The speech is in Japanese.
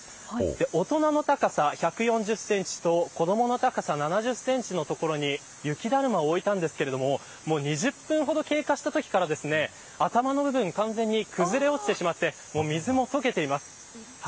大人の高さ１４０センチと子どもの高さ７０センチのところに雪だるまを置いたんですが２０分ほど経過したときから頭の部分が完全に崩れ落ちてしまって水も解けています。